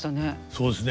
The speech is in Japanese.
そうですね。